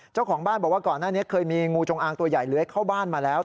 เจ้าของบ้านบอกว่าก่อนหน้านี้เคยมีงูจงอางตัวใหญ่เลื้อยเข้าบ้านมาแล้ว